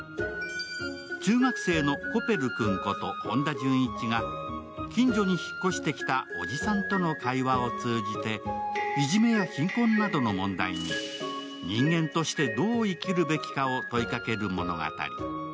中学生のコペル君こと本田潤一が、近所に引っ越してきたおじさんとの会話を通じていじめや貧困などの問題に、人間としてどう生きるべきかを問いかける物語。